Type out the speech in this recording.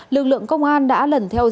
lực lượng công an đã lần theo dõi